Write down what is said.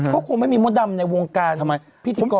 เขาคงไม่มีมดดำในวงการทำไมพิธีกร